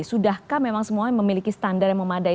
sudahkah memang semuanya memiliki standar yang memadai